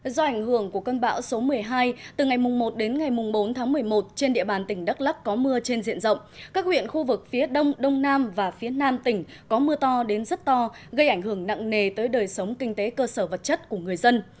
do ảnh hưởng của cơn bão số một mươi hai từ ngày một đến ngày bốn tháng một mươi một trên địa bàn tỉnh đắk lắc có mưa trên diện rộng các huyện khu vực phía đông đông nam và phía nam tỉnh có mưa to đến rất to gây ảnh hưởng nặng nề tới đời sống kinh tế cơ sở vật chất của người dân